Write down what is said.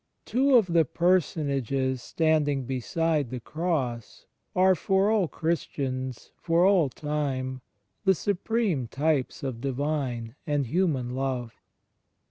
m Two of the personages standing beside the Cross are, for all Christians, for all time, the supreme types of Divine and hiunan love.